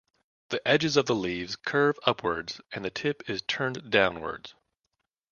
The edges of the leaves curve upwards and the tip is turned downwards.